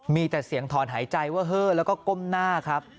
มีแต่เสียงถอนหายใจเวอร์เฮ่อแล้วก็ก้มหน้าครับ